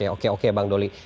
oke oke bang doli